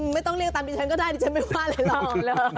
ไม่ต้องเรียกตามดิฉันก็ได้ดิฉันไม่ว่าอะไรหรอก